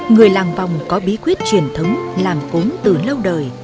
người làng vòng có bí quyết truyền thống làm cốm từ lâu đời